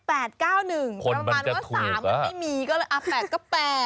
ประมาณว่า๓มันไม่มีก็เลย๘ก็๘